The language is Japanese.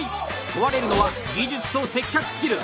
問われるのは技術と接客スキル！